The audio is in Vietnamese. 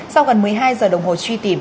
sau gần một mươi hai giờ đồng hồ truy tìm